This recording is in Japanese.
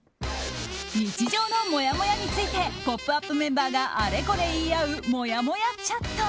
日常のもやもやについて「ポップＵＰ！」メンバーがあれこれ言い合うもやもやチャット。